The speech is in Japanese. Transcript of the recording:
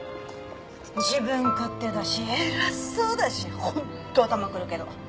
自分勝手だし偉そうだし本当頭くるけど。